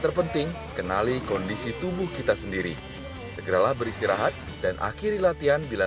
terpenting kenali kondisi tubuh kita sendiri segeralah beristirahat dan akhiri latihan bila